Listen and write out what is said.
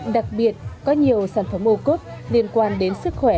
đặc biệt có nhiều sản phẩm ô cốt liên quan đến sức khỏe